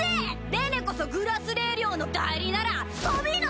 レネこそグラスレー寮の代理ならサビーナ